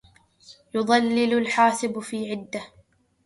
يُضلِّلُ الحاسبَ في عَدِّه